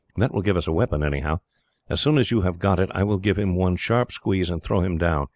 That will give us a weapon, anyhow. As soon as you have got it, I will give him one sharp squeeze, and throw him down.